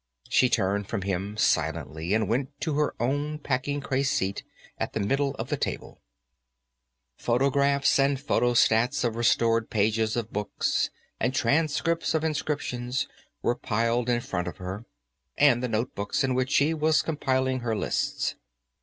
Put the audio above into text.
She turned from him silently and went to her own packing case seat, at the middle of the table. Photographs, and photostats of restored pages of books, and transcripts of inscriptions, were piled in front of her, and the notebooks in which she was compiling her lists.